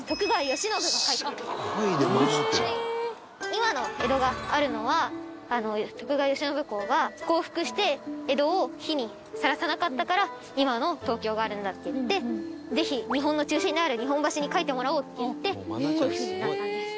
今の江戸があるのは徳川慶喜公が降伏して江戸を火にさらさなかったから今の東京があるんだっていって「ぜひ日本の中心にある日本橋に書いてもらおう！」って言ってこういう風になったんです。